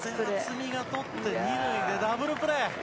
渥美がとって２塁でダブルプレー。